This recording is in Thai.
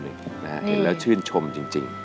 เห็นแล้วชื่นชมจริง